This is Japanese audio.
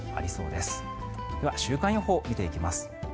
では、週間予報を見ていきます。